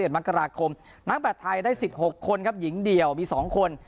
๒๗๓๑มักราคมนักแบดไทยได้สิทธิ์๖คนครับหญิงเดียวมี๒คน